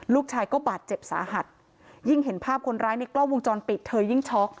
ลูกชายก็บาดเจ็บสาหัสยิ่งเห็นภาพคนร้ายในกล้องวงจรปิดเธอยิ่งช็อก